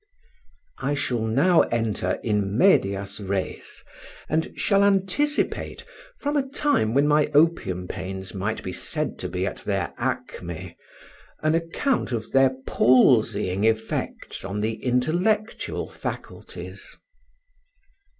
I shall now enter in medias res, and shall anticipate, from a time when my opium pains might be said to be at their acmé, an account of their palsying effects on the intellectual faculties.